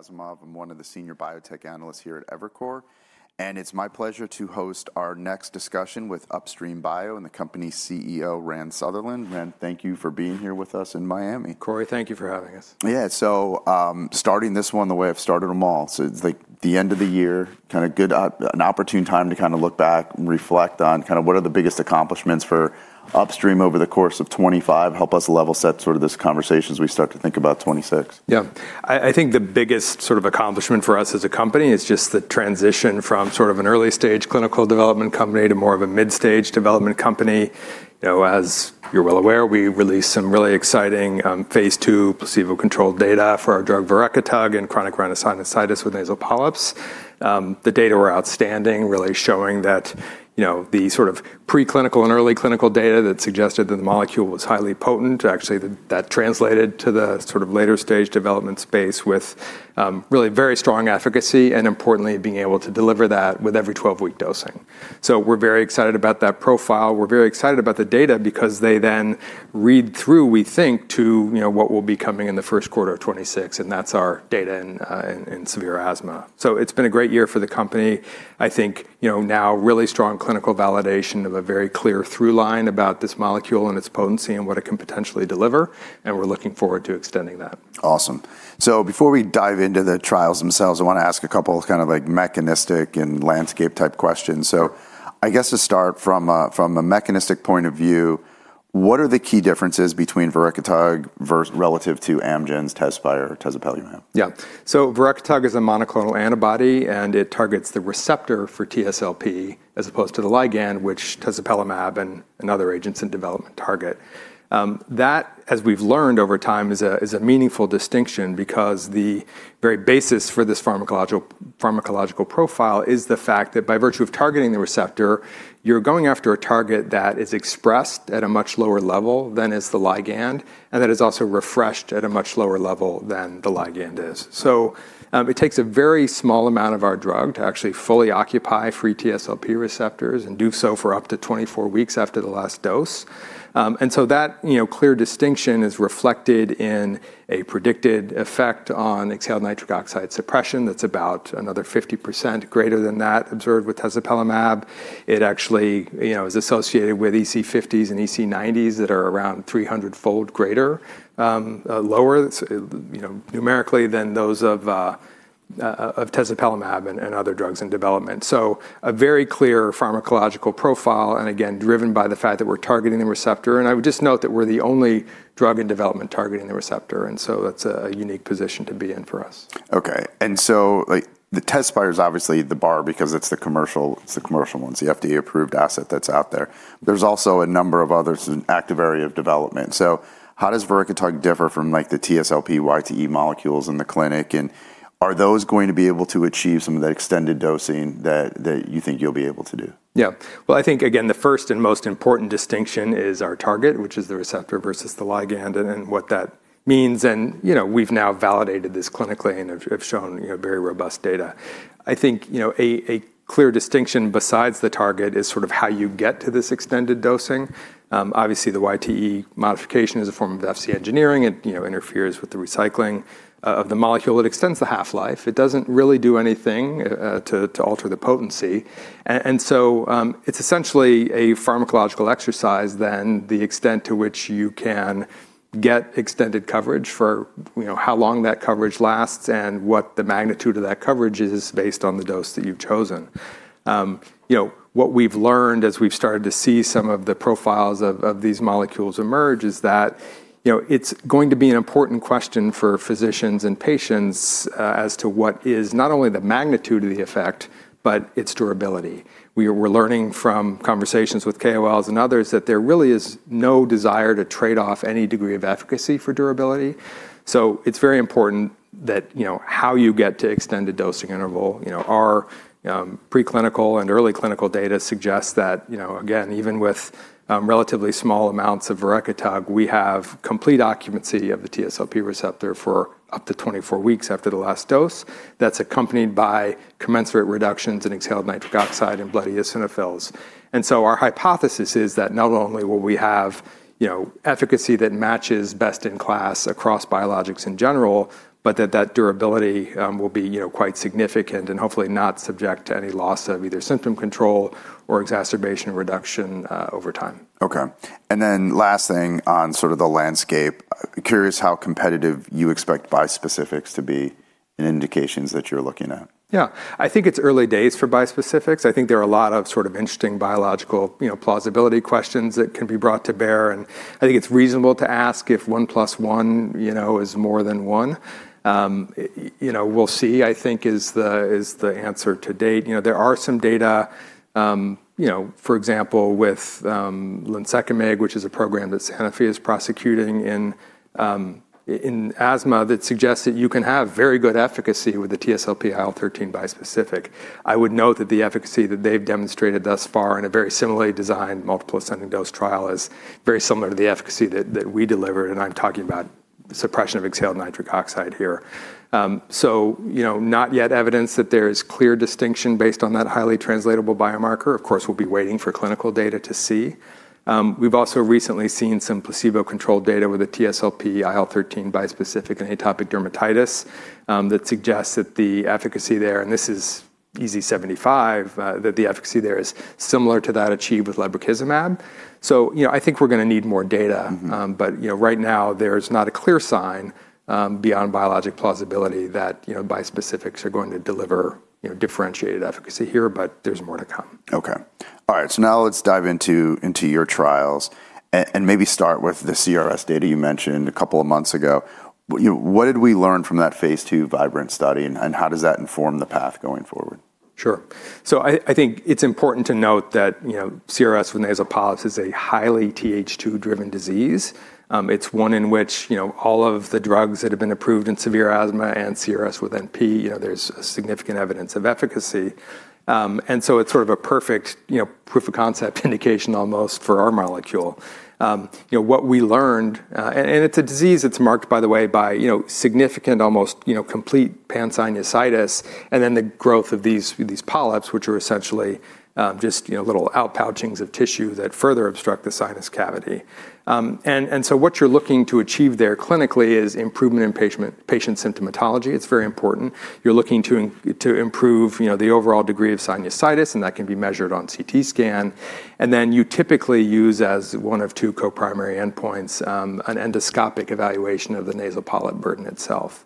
Kasimov, I'm one of the Senior Biotech Analyst here at Evercore, and it's my pleasure to host our next discussion with Upstream Bio and the company's CEO, Rand Sutherland. Rand, thank you for being here with us in Miami. Cory, thank you for having us. Yeah, so starting this one the way I've started them all, so it's like the end of the year, kind of good, an opportune time to kind of look back and reflect on kind of what are the biggest accomplishments for Upstream over the course of 2025, help us level set sort of this conversation as we start to think about 2026. Yeah, I think the biggest sort of accomplishment for us as a company is just the transition from sort of an early stage clinical development company to more of a mid-stage development company. You know, as you're well aware, we released some really exciting phase II placebo-controlled data for our drug verekitug in chronic rhinosinusitis with nasal polyps. The data were outstanding, really showing that, you know, the sort of preclinical and early clinical data that suggested that the molecule was highly potent, actually that translated to the sort of later stage development space with really very strong efficacy and importantly, being able to deliver that with every 12-week dosing. So we're very excited about that profile. We're very excited about the data because they then read through, we think, to, you know, what will be coming in the first quarter of 2026, and that's our data in severe asthma. It's been a great year for the company. I think, you know, now really strong clinical validation of a very clear through line about this molecule and its potency and what it can potentially deliver, and we're looking forward to extending that. Awesome. So before we dive into the trials themselves, I want to ask a couple of kind of like mechanistic and landscape type questions. So I guess to start from a mechanistic point of view, what are the key differences between verekitug versus, relative to Amgen's Tezspire or tezepelumab? Yeah, so verekitug is a monoclonal antibody and it targets the receptor for TSLP as opposed to the ligand, which tezepelumab and other agents in development target. That, as we've learned over time, is a meaningful distinction because the very basis for this pharmacological profile is the fact that by virtue of targeting the receptor, you're going after a target that is expressed at a much lower level than is the ligand, and that is also refreshed at a much lower level than the ligand is. So it takes a very small amount of our drug to actually fully occupy free TSLP receptors and do so for up to 24 weeks after the last dose. And so that, you know, clear distinction is reflected in a predicted effect on exhaled nitric oxide suppression that's about another 50% greater than that observed with tezepelumab. It actually, you know, is associated with EC50s and EC90s that are around 300-fold greater, lower, you know, numerically than those of tezepelumab and other drugs in development, so a very clear pharmacological profile and again, driven by the fact that we're targeting the receptor, and I would just note that we're the only drug in development targeting the receptor, and so that's a unique position to be in for us. Okay, and so like the Tezspire is obviously the bar because it's the commercial, it's the commercial ones, the FDA-approved asset that's out there. There's also a number of others in active area of development. So how does verekitug differ from like the TSLP YTE molecules in the clinic, and are those going to be able to achieve some of that extended dosing that you think you'll be able to do? Yeah, well, I think again, the first and most important distinction is our target, which is the receptor versus the ligand and what that means. And, you know, we've now validated this clinically and have shown, you know, very robust data. I think, you know, a clear distinction besides the target is sort of how you get to this extended dosing. Obviously, the YTE modification is a form of Fc engineering. It, you know, interferes with the recycling of the molecule. It extends the half-life. It doesn't really do anything to alter the potency. And so it's essentially a pharmacological exercise then the extent to which you can get extended coverage for, you know, how long that coverage lasts and what the magnitude of that coverage is based on the dose that you've chosen. You know, what we've learned as we've started to see some of the profiles of these molecules emerge is that, you know, it's going to be an important question for physicians and patients as to what is not only the magnitude of the effect, but its durability. We're learning from conversations with KOLs and others that there really is no desire to trade off any degree of efficacy for durability. So it's very important that, you know, how you get to extended dosing interval, you know, our preclinical and early clinical data suggests that, you know, again, even with relatively small amounts of verekitug, we have complete occupancy of the TSLP receptor for up to 24 weeks after the last dose. That's accompanied by commensurate reductions in exhaled nitric oxide and blood eosinophils. And so our hypothesis is that not only will we have, you know, efficacy that matches best in class across biologics in general, but that that durability will be, you know, quite significant and hopefully not subject to any loss of either symptom control or exacerbation reduction over time. Okay, and then last thing on sort of the landscape, curious how competitive you expect bispecifics to be in indications that you're looking at? Yeah, I think it's early days for bispecifics. I think there are a lot of sort of interesting biological, you know, plausibility questions that can be brought to bear, and I think it's reasonable to ask if one plus one, you know, is more than one. You know, we'll see, I think, is the answer to date. You know, there are some data, you know, for example, with lunsekimig, which is a program that Sanofi is prosecuting in asthma that suggests that you can have very good efficacy with the TSLP IL-13 bispecific. I would note that the efficacy that they've demonstrated thus far in a very similarly designed multiple ascending dose trial is very similar to the efficacy that we delivered, and I'm talking about suppression of exhaled nitric oxide here. So, you know, not yet evidence that there is clear distinction based on that highly translatable biomarker. Of course, we'll be waiting for clinical data to see. We've also recently seen some placebo-controlled data with the TSLP IL-13 bispecific in atopic dermatitis that suggests that the efficacy there, and this is EASI-75, that the efficacy there is similar to that achieved with lebrikizumab. So, you know, I think we're going to need more data, but, you know, right now there's not a clear sign beyond biologic plausibility that, you know, bispecifics are going to deliver, you know, differentiated efficacy here, but there's more to come. Okay, all right, so now let's dive into your trials and maybe start with the CRS data you mentioned a couple of months ago. What did we learn from that phase II VIBRANT study, and how does that inform the path going forward? Sure, so I think it's important to note that, you know, CRS with nasal polyps is a highly TH2-driven disease. It's one in which, you know, all of the drugs that have been approved in severe asthma and CRS with NP, you know, there's significant evidence of efficacy. And so it's sort of a perfect, you know, proof of concept indication almost for our molecule. You know, what we learned, and it's a disease that's marked, by the way, by, you know, significant almost, you know, complete pansinusitis and then the growth of these polyps, which are essentially just, you know, little outpouchings of tissue that further obstruct the sinus cavity. And so what you're looking to achieve there clinically is improvement in patient symptomatology. It's very important. You're looking to improve, you know, the overall degree of sinusitis, and that can be measured on CT scan. You typically use as one of two co-primary endpoints an endoscopic evaluation of the nasal polyp burden itself.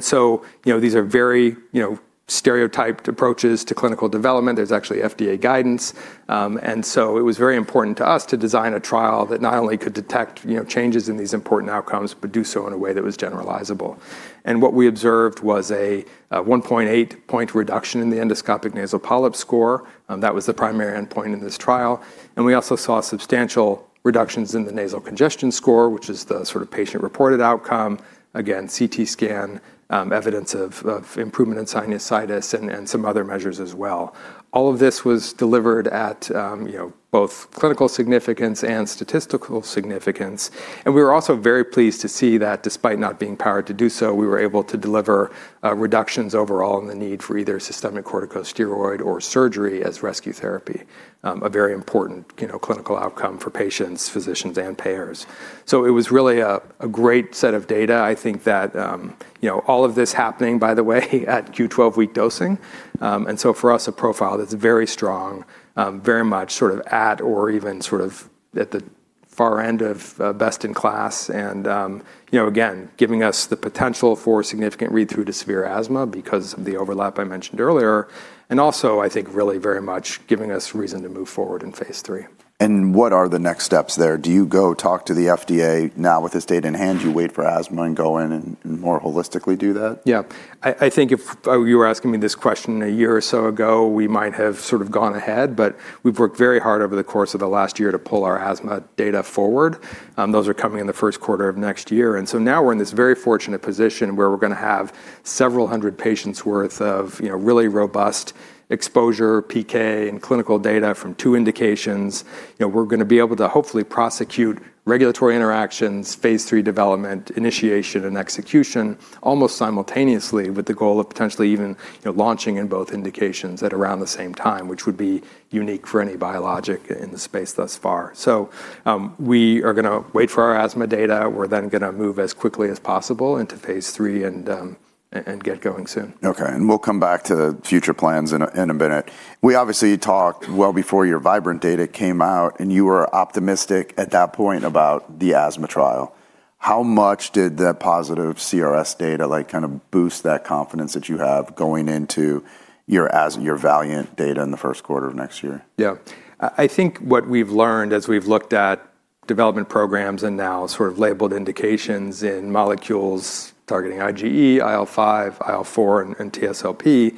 So, you know, these are very, you know, stereotyped approaches to clinical development. There's actually FDA guidance. It was very important to us to design a trial that not only could detect, you know, changes in these important outcomes, but do so in a way that was generalizable. What we observed was a 1.8-point reduction in the endoscopic nasal polyp score. That was the primary endpoint in this trial. We also saw substantial reductions in the nasal congestion score, which is the sort of patient-reported outcome. Again, CT scan evidence of improvement in sinusitis and some other measures as well. All of this was delivered at, you know, both clinical significance and statistical significance. We were also very pleased to see that despite not being powered to do so, we were able to deliver reductions overall in the need for either systemic corticosteroid or surgery as rescue therapy, a very important, you know, clinical outcome for patients, physicians, and payers. So it was really a great set of data. I think that, you know, all of this happening, by the way, at Q12 week dosing. And so for us, a profile that's very strong, very much sort of at or even sort of at the far end of best in class and, you know, again, giving us the potential for significant read-through to severe asthma because of the overlap I mentioned earlier. And also, I think really very much giving us reason to move forward in phase III. What are the next steps there? Do you go talk to the FDA now with this data in hand, you wait for asthma and go in and more holistically do that? Yeah, I think if you were asking me this question a year or so ago, we might have sort of gone ahead, but we've worked very hard over the course of the last year to pull our asthma data forward. Those are coming in the first quarter of next year. And so now we're in this very fortunate position where we're going to have several hundred patients' worth of, you know, really robust exposure PK and clinical data from two indications. You know, we're going to be able to hopefully prosecute regulatory interactions, phase III development, initiation, and execution almost simultaneously with the goal of potentially even, you know, launching in both indications at around the same time, which would be unique for any biologic in the space thus far. So we are going to wait for our asthma data. We're then going to move as quickly as possible into phase III and get going soon. Okay, and we'll come back to future plans in a minute. We obviously talked well before your VIBRANT data came out, and you were optimistic at that point about the asthma trial. How much did the positive CRS data like kind of boost that confidence that you have going into your VALIANT data in the first quarter of next year? Yeah, I think what we've learned as we've looked at development programs and now sort of labeled indications in molecules targeting IgE, IL-5, IL-4, and TSLP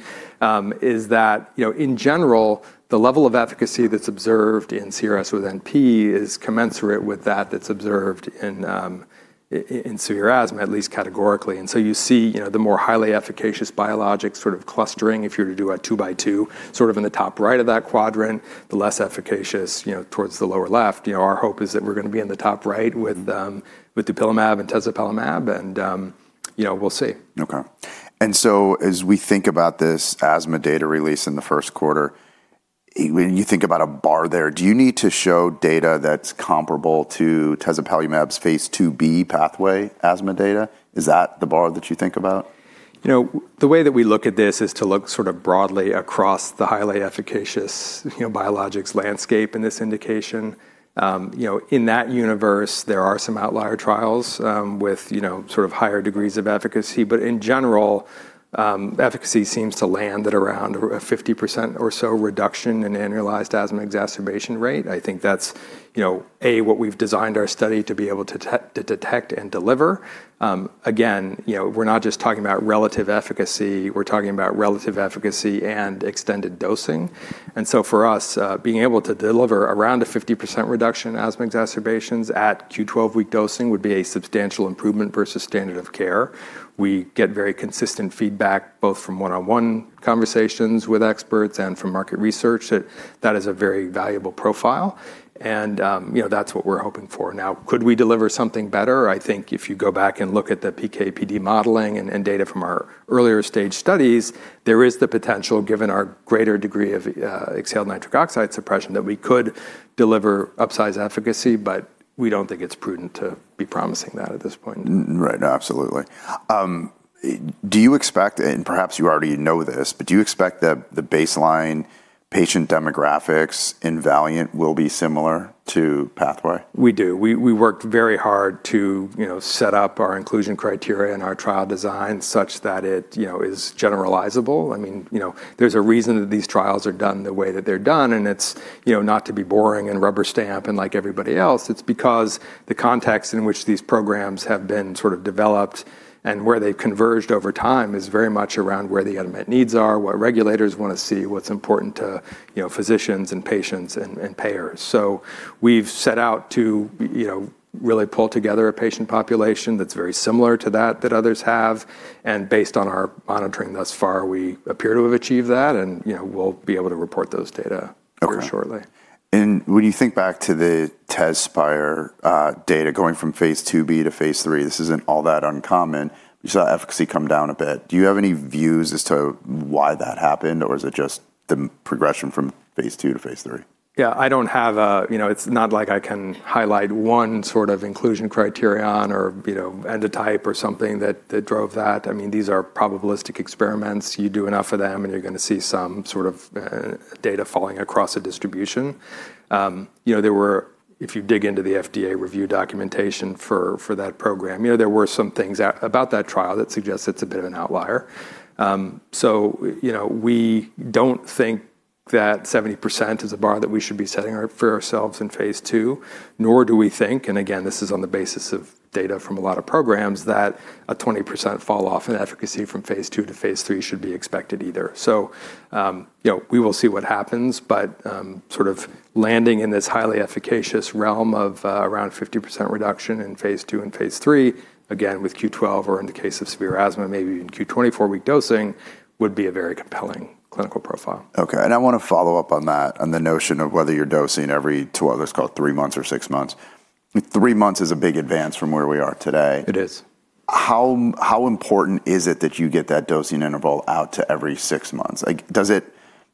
is that, you know, in general, the level of efficacy that's observed in CRS with NP is commensurate with that that's observed in severe asthma, at least categorically, and so you see, you know, the more highly efficacious biologics sort of clustering if you were to do a two by two sort of in the top right of that quadrant, the less efficacious, you know, towards the lower left. You know, our hope is that we're going to be in the top right with dupilumab and tezepelumab, and, you know, we'll see. Okay, and so as we think about this asthma data release in the first quarter, when you think about a bar there, do you need to show data that's comparable to tezepelumab's phase II-B PATHWAY asthma data? Is that the bar that you think about? You know, the way that we look at this is to look sort of broadly across the highly efficacious, you know, biologics landscape in this indication. You know, in that universe, there are some outlier trials with, you know, sort of higher degrees of efficacy, but in general, efficacy seems to land at around a 50% or so reduction in annualized asthma exacerbation rate. I think that's, you know, a, what we've designed our study to be able to detect and deliver. Again, you know, we're not just talking about relative efficacy. We're talking about relative efficacy and extended dosing. And so for us, being able to deliver around a 50% reduction in asthma exacerbations at Q12 week dosing would be a substantial improvement versus standard of care. We get very consistent feedback both from one-on-one conversations with experts and from market research that that is a very valuable profile. You know, that's what we're hoping for. Now, could we deliver something better? I think if you go back and look at the PK/PD modeling and data from our earlier stage studies, there is the potential given our greater degree of exhaled nitric oxide suppression that we could deliver upsized efficacy, but we don't think it's prudent to be promising that at this point. Right, absolutely. Do you expect, and perhaps you already know this, but do you expect that the baseline patient demographics in VALIANT will be similar to PATHWAY? We do. We worked very hard to, you know, set up our inclusion criteria and our trial design such that it, you know, is generalizable. I mean, you know, there's a reason that these trials are done the way that they're done, and it's, you know, not to be boring and rubber stamp and like everybody else. It's because the context in which these programs have been sort of developed and where they've converged over time is very much around where the unmet needs are, what regulators want to see, what's important to, you know, physicians and patients and payers. So we've set out to, you know, really pull together a patient population that's very similar to that that others have. And based on our monitoring thus far, we appear to have achieved that, and, you know, we'll be able to report those data very shortly. When you think back to the Tezspire data going from phase II-B to phase III, this isn't all that uncommon. You saw efficacy come down a bit. Do you have any views as to why that happened, or is it just the progression from phase II to phase III? Yeah, I don't have a, you know, it's not like I can highlight one sort of inclusion criterion or, you know, endotype or something that drove that. I mean, these are probabilistic experiments. You do enough of them, and you're going to see some sort of data falling across a distribution. You know, there were, if you dig into the FDA review documentation for that program, you know, there were some things about that trial that suggests it's a bit of an outlier. So, you know, we don't think that 70% is a bar that we should be setting for ourselves in phase II, nor do we think, and again, this is on the basis of data from a lot of programs, that a 20% falloff in efficacy from phase II to phase III should be expected either. So, you know, we will see what happens, but sort of landing in this highly efficacious realm of around 50% reduction in phase II and phase III, again, with Q12 or in the case of severe asthma, maybe even Q24 week dosing would be a very compelling clinical profile. Okay, and I want to follow up on that, on the notion of whether you're dosing every two, let's call it three months or six months. Three months is a big advance from where we are today. It is. How important is it that you get that dosing interval out to every six months? Like, does it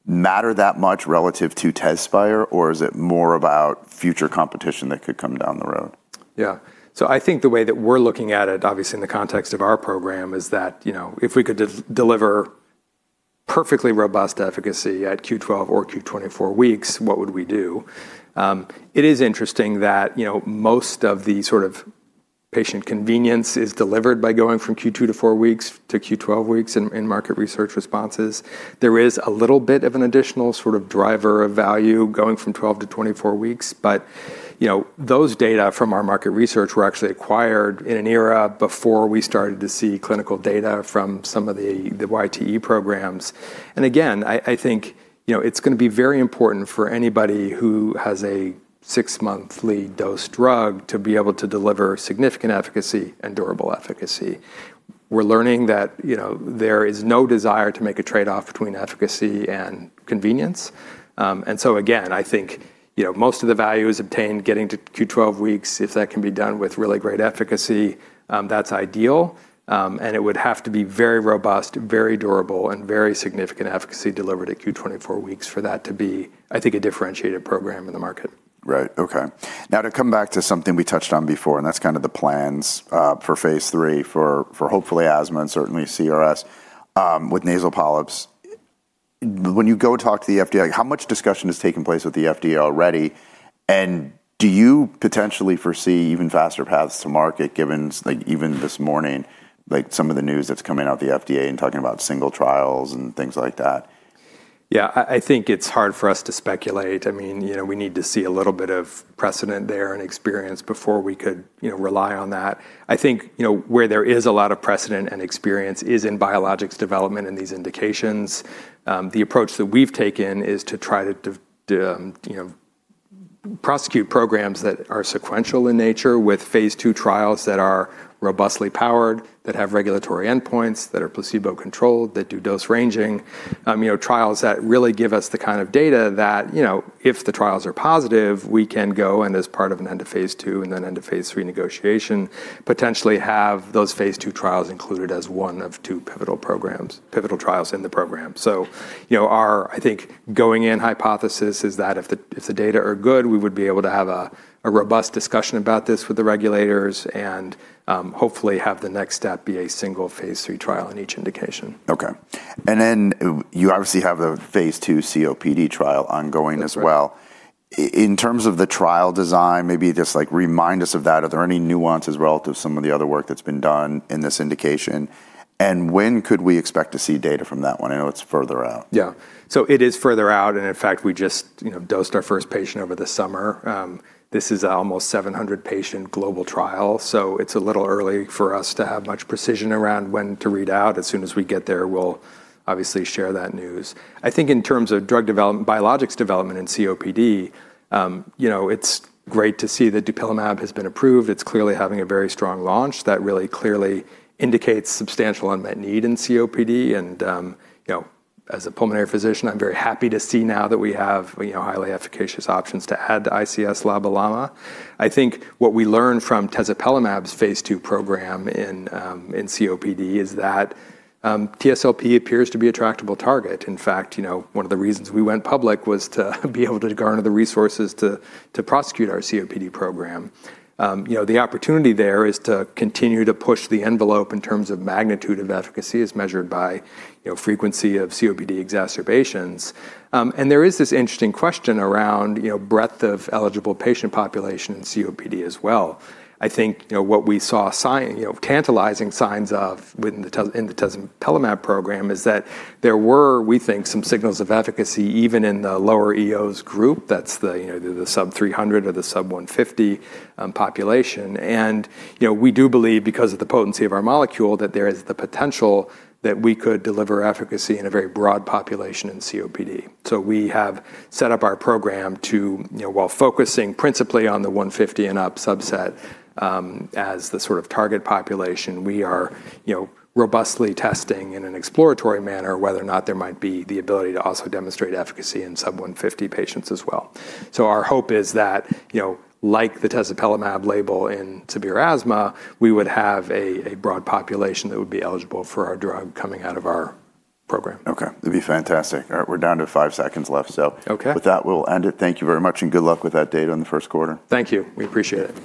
matter that much relative to Tezspire, or is it more about future competition that could come down the road? Yeah, so I think the way that we're looking at it, obviously in the context of our program, is that, you know, if we could deliver perfectly robust efficacy at Q12 or Q24 weeks, what would we do? It is interesting that, you know, most of the sort of patient convenience is delivered by going from Q2 to four weeks to Q12 weeks in market research responses. There is a little bit of an additional sort of driver of value going from 12 to 24 weeks, but, you know, those data from our market research were actually acquired in an era before we started to see clinical data from some of the YTE programs. And again, I think, you know, it's going to be very important for anybody who has a six-monthly dose drug to be able to deliver significant efficacy and durable efficacy. We're learning that, you know, there is no desire to make a trade-off between efficacy and convenience. And so again, I think, you know, most of the value is obtained getting to Q12 weeks. If that can be done with really great efficacy, that's ideal. And it would have to be very robust, very durable, and very significant efficacy delivered at Q24 weeks for that to be, I think, a differentiated program in the market. Right, okay. Now to come back to something we touched on before, and that's kind of the plans for phase III for hopefully asthma and certainly CRS with nasal polyps. When you go talk to the FDA, how much discussion has taken place with the FDA already? And do you potentially foresee even faster paths to market given like even this morning, like some of the news that's coming out of the FDA and talking about single trials and things like that? Yeah, I think it's hard for us to speculate. I mean, you know, we need to see a little bit of precedent there and experience before we could, you know, rely on that. I think, you know, where there is a lot of precedent and experience is in biologics development and these indications. The approach that we've taken is to try to, you know, prosecute programs that are sequential in nature with phase II trials that are robustly powered, that have regulatory endpoints, that are placebo-controlled, that do dose ranging, you know, trials that really give us the kind of data that, you know, if the trials are positive, we can go and as part of an end of phase II and then end of phase III negotiation, potentially have those phase II trials included as one of two pivotal programs, pivotal trials in the program. So, you know, our, I think, going in hypothesis is that if the data are good, we would be able to have a robust discussion about this with the regulators and hopefully have the next step be a single phase III trial in each indication. Okay, and then you obviously have a phase II COPD trial ongoing as well. In terms of the trial design, maybe just like remind us of that. Are there any nuances relative to some of the other work that's been done in this indication? And when could we expect to see data from that one? I know it's further out. Yeah, so it is further out. And in fact, we just, you know, dosed our first patient over the summer. This is an almost 700-patient global trial. So it's a little early for us to have much precision around when to read out. As soon as we get there, we'll obviously share that news. I think in terms of drug development, biologics development in COPD, you know, it's great to see that dupilumab has been approved. It's clearly having a very strong launch that really clearly indicates substantial unmet need in COPD. And, you know, as a pulmonary physician, I'm very happy to see now that we have, you know, highly efficacious options to add to ICS/LABA/LAMA. I think what we learned from tezepelumab's phase II program in COPD is that TSLP appears to be an attractive target. In fact, you know, one of the reasons we went public was to be able to garner the resources to prosecute our COPD program. You know, the opportunity there is to continue to push the envelope in terms of magnitude of efficacy as measured by, you know, frequency of COPD exacerbations. There is this interesting question around, you know, breadth of eligible patient population in COPD as well. I think, you know, what we saw, you know, tantalizing signs of in the tezepelumab program is that there were, we think, some signals of efficacy even in the lower Eos group. That's the, you know, the sub 300 or the sub 150 population. You know, we do believe because of the potency of our molecule that there is the potential that we could deliver efficacy in a very broad population in COPD. So we have set up our program to, you know, while focusing principally on the 150 and up subset as the sort of target population, we are, you know, robustly testing in an exploratory manner whether or not there might be the ability to also demonstrate efficacy in sub 150 patients as well. So our hope is that, you know, like the tezepelumab label in severe asthma, we would have a broad population that would be eligible for our drug coming out of our program. Okay, that'd be fantastic. All right, we're down to five seconds left. So with that, we'll end it. Thank you very much and good luck with that data in the first quarter. Thank you. We appreciate it.